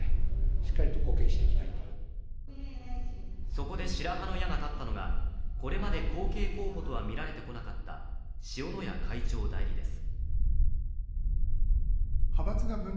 そこで白羽の矢が立ったのが、これまで後継候補とは見られてこなかった塩谷会長代理です。